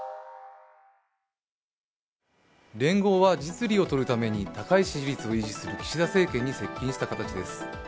連合は実利をとるために高い支持率を維持する岸田政権に接近した形です。